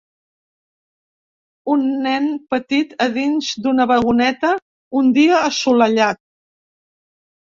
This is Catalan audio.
Un nen petit a dins d'una vagoneta un dia assolellat.